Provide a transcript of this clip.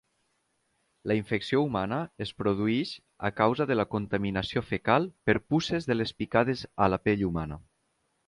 La infecció humana es produeix a causa de la contaminació fecal per puces de les picades a la pell humana.